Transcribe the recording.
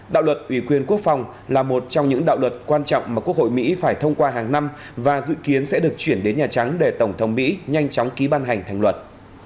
đạo luật ủy quyền quốc phòng là một trong những đạo luật quan trọng mà quốc hội mỹ phải thông qua hàng năm và dự kiến sẽ được chuyển đến nhà trắng để tổng thống mỹ nhanh chóng ký ban hành thành luật